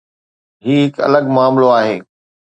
هي هڪ الڳ معاملو آهي.